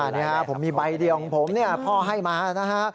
นี่ครับผมมีใบเดียวของผมเนี่ยพ่อให้มานะฮะ